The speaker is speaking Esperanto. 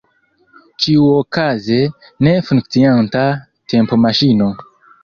Ĉiuokaze, ne funkcianta tempomaŝino.